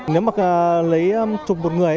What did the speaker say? nếu mà lấy chụp một người